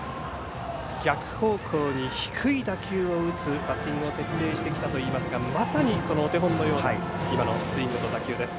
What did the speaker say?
逆方向に低い打球を打つバッティングを徹底してきたといいますがまさにお手本のようなスイングと打球です。